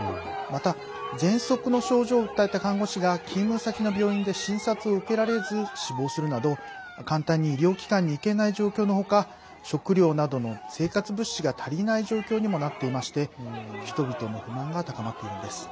また、ぜんそくの症状を訴えた看護師が勤務先の病院で診察を受けられず死亡するなど簡単に医療機関に行けない状況のほか食料などの生活物資が足りない状況にもなっていまして人々の不満が高まっているんです。